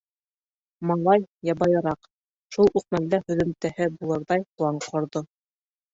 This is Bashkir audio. Малай ябайыраҡ, шул уҡ мәлдә һөҙөмтәһе булырҙай план ҡорҙо.